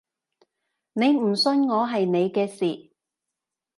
你唔信我係你嘅事